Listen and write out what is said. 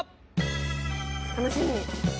楽しみ。